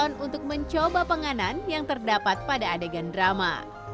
dan juga untuk mencoba penganan yang terdapat pada adegan drama